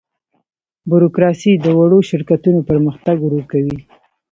بوروکراسي د وړو شرکتونو پرمختګ ورو کوي.